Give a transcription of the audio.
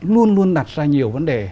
luôn luôn đặt ra nhiều vấn đề